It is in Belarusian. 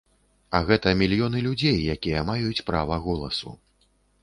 А гэта мільёны людзей, якія маюць права голасу.